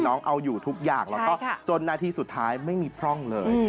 น้องเอาอยู่ทุกอย่างแล้วก็จนนาทีสุดท้ายไม่มีพร่องเลย